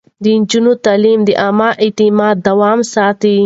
د نجونو تعليم د عامه اعتماد دوام ساتي.